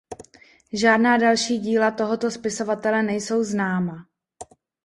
Žádná další díla tohoto spisovatele nejsou známa.